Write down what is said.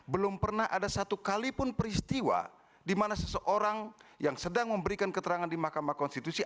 belum pernah ada satu kalipun peristiwa di mana seseorang yang sedang memberikan keterangan di mahkamah konstitusi